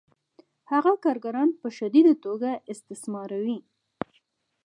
هغه کارګران په شدیده توګه استثماروي